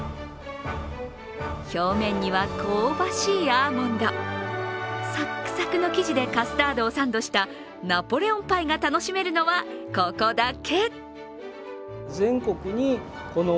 表面には香ばしいアーモンド、サクサクの生地でカスタードをサンドしたナポレオンパイが楽しめるのはここだけ。